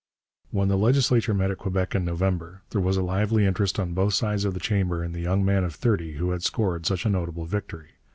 When the legislature met at Quebec in November, there was a lively interest on both sides of the chamber in the young man of thirty who had scored such a notable victory.